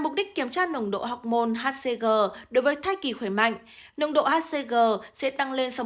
mục đích kiểm tra nồng độ học môn hcg đối với thai kỳ khỏe mạnh nồng độ hcg sẽ tăng lên sáu mươi